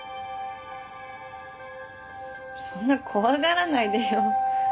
そんな怖がらないでよ。